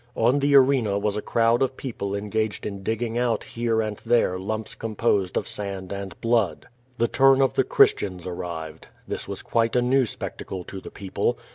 On the arena was a crowd of jicople engaged in digging out here and there lumps com posed of sand and blood. The turn of the Christians arrived. This was quite a new spectacle to the people.